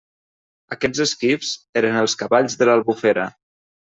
Aquests esquifs eren els cavalls de l'Albufera.